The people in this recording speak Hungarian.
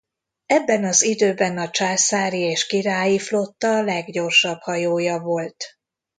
Ebben az időben a császári és királyi Flotta leggyorsabb hajója volt.